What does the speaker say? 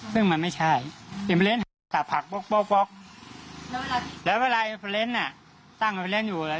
ซึ่งมันไม่ใช่จากผักปกปกปกแล้วเวลาตั้งอยู่